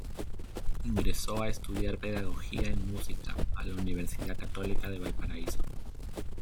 Ingresó a estudiar pedagogía en música a la Universidad Católica de Valparaíso.